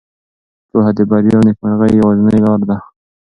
پوهه د بریا او نېکمرغۍ یوازینۍ لاره ده.